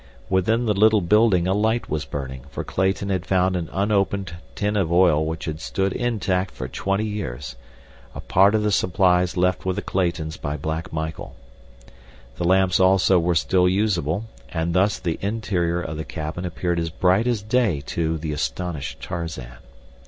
Within the little building a light was burning, for Clayton had found an unopened tin of oil which had stood intact for twenty years, a part of the supplies left with the Claytons by Black Michael. The lamps also were still useable, and thus the interior of the cabin appeared as bright as day to the astonished Tarzan.